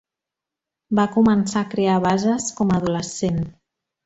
Va començar a crear bases com a adolescent.